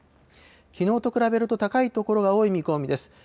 きのうと比べると高い所が多い見込みです。